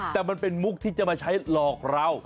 แต่มันเป็นมุกที่จะมาใช้หลอกเรา